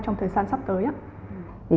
trong thời gian sắp tới